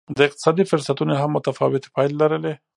د اقتصادي فرصتونو هم متفاوتې پایلې لرلې.